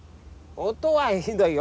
音はひどいよ。